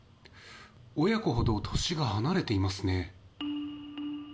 親子ほど年が離れていますね。